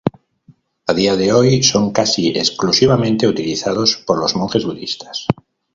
A día de hoy son casi exclusivamente utilizados por los monjes budistas.